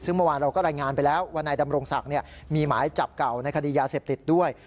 ซึ่งเมื่อวานเราก็รายงานไปแล้วว่านายดำรงศักดิ์มีหมายจับเก่าในคดียาเสพติดด้วย